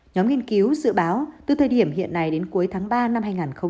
nhóm nghiên cứu dự báo từ thời điểm hiện nay đến cuối tháng ba năm hai nghìn hai mươi